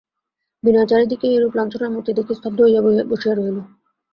বিনয় চারি দিকেই এইরূপ লাঞ্ছনার মূর্তি দেখিয়া স্তব্ধ হইয়া বসিয়া রহিল।